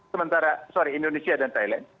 sementara sorry indonesia dan thailand